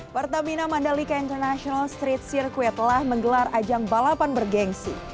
pertamina mandalika international street circuit telah menggelar ajang balapan bergensi